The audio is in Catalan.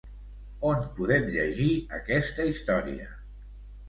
On podem llegir aquesta història?